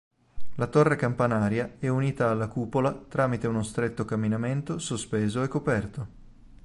La torre campanaria è unita alla cupola tramite uno stretto camminamento sospeso e coperto.